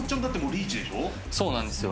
そうなんですよ。